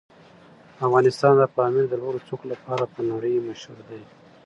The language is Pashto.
افغانستان د پامیر د لوړو څوکو لپاره په نړۍ مشهور دی.